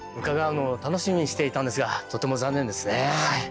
伺うのを楽しみにしていたんですがとても残念ですね。